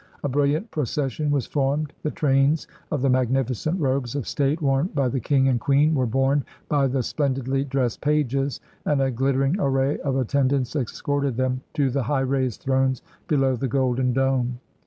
A brilliant procession was formed. The trains of the magnificent robes of State worn by the King and Queen were borne by the splen didly dressed pages, and a glittering array of attendants escorted them to the high raised thrones below the golden dome.